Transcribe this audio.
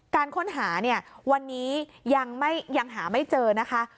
การค้นหาเนี่ยวันนี้ยังหาไม่เจอนะคะ